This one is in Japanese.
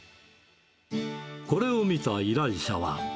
これを見た依頼者は。